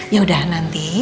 ya udah nanti